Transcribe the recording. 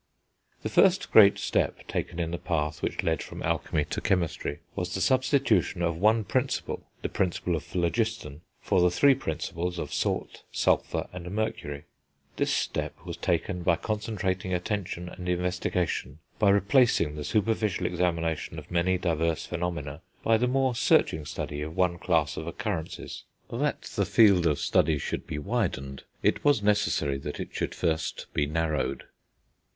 The first great step taken in the path which led from alchemy to chemistry was the substitution of one Principle, the Principle of Phlogiston, for the three Principles of salt, sulphur, and mercury. This step was taken by concentrating attention and investigation, by replacing the superficial examination of many diverse phenomena by the more searching study of one class of occurrences. That the field of study should be widened, it was necessary that it should first be narrowed.